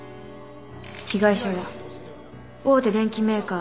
被害者は大手電機メーカー